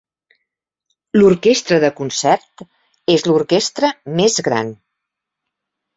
L'orquestra de concert és l'orquestra més gran.